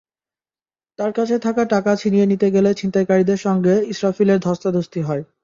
তাঁর কাছে থাকা টাকা ছিনিয়ে নিতে গেলে ছিনতাইকারীদের সঙ্গে ইসরাফিলের ধস্তাধস্তি হয়।